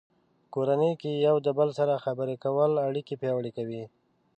په کورنۍ کې د یو بل سره خبرې کول اړیکې پیاوړې کوي.